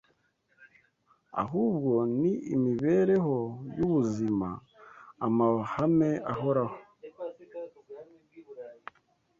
ahubwo ni imibereho y’ubuzima, amahame ahoraho